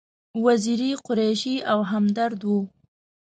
وزیری، قریشي او همدرد و.